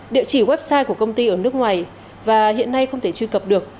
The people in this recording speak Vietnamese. địa chỉ website của công ty ở nước ngoài và hiện nay không thể truy cập được